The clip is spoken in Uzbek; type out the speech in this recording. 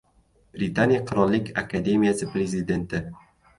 Britaniya Qirollik akademiyasi prezidenti